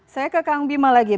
saya ke kang bima lagi